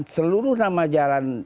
seluruh nama jalan